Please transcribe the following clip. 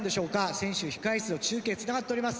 選手控え室と中継つながっております。